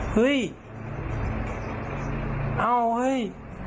เฮ้ยเอาเฮ้ย